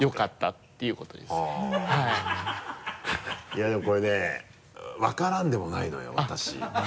いやでもこれね分からんでもないのよ私。